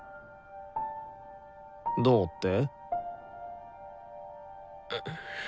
どうって？